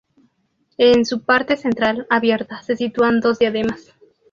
En su parte central, abierta, se sitúan dos diademas.